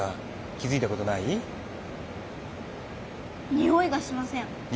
においがしません。